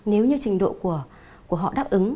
nếu như trình độ của họ đáp ứng